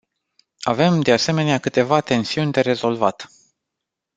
Avem, de asemenea, câteva tensiuni de rezolvat.